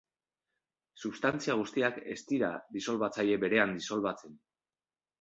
Substantzia guztiak ez dira disolbatzaile berean disolbatzen.